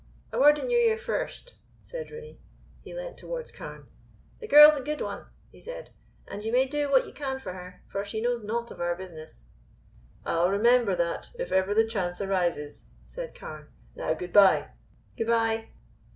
"A word in your ear first," said Rooney. He leant towards Carne. "The girl's a good one," he said. "An' ye may do what ye can for her, for she knows naught of our business." "I'll remember that if ever the chance arises," said Carne. "Now, good bye." "Good bye."